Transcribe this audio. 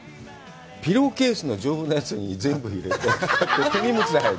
ピローケースの丈夫なやつに全部入れて、手荷物で入る。